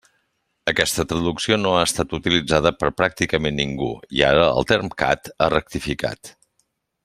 Aquesta traducció no ha estat utilitzada per pràcticament ningú, i ara el TERMCAT ha rectificat.